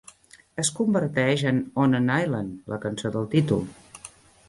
Es converteix en "On an Island", la cançó del títol.